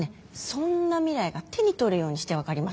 そんな未来が手に取るようにして分かります。